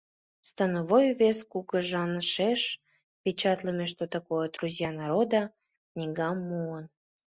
Становой вес кугыжанышеш печатлыме «Что такое друзья народа?» книгам муын.